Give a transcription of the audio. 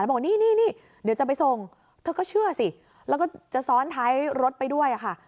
บอกนี่นี่เดี๋ยวจะไปส่งเธอก็เชื่อสิแล้วก็จะซ้อนท้ายรถไปด้วยค่ะ